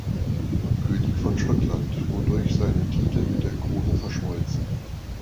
König von Schottland, wodurch seine Titel mit der Krone verschmolzen.